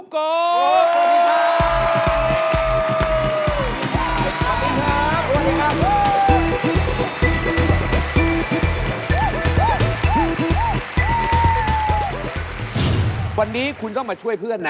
เพราะว่ารายการหาคู่ของเราเป็นรายการแรกนะครับ